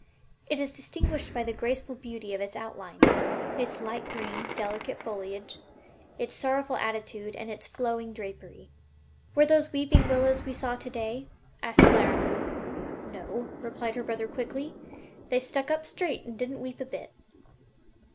It is distinguished by the graceful beauty of its outlines, its light green, delicate foliage, its sorrowing attitude and its flowing drapery.'" "Were those weeping willows that we saw to day?" asked Clara. "No," replied her brother, quickly; "they just stuck up straight and didn't weep a bit."